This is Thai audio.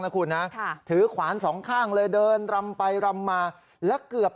นะคุณนะค่ะถือขวานสองข้างเลยเดินรำไปรำมาแล้วเกือบ